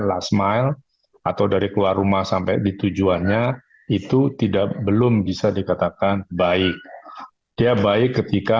last mile atau dari keluar rumah sampai di tujuannya itu tidak belum bisa dikatakan baik dia baik ketika